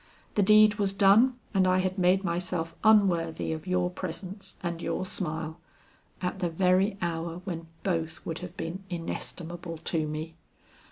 The deed was done and I had made myself unworthy of your presence and your smile at the very hour when both would have been inestimable to me.